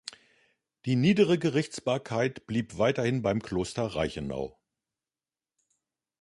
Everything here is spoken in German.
Die niedere Gerichtsbarkeit blieb weiterhin beim Kloster Reichenau.